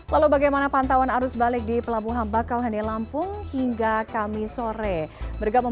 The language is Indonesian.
lalu bagaimana pantauan arus balik di pelabuhan bakauheni lampung hingga kami sore bergabung